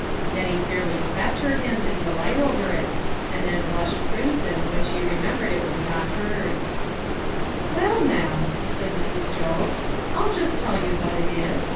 Nettie fairly clapped her hands in delight over 164 A BARGAIN AND A PROMISE. 165 it, and then blushed crimson when she remem bered it was not hers. "Well, now," said Mrs. Job, "I'll just tell you what it is.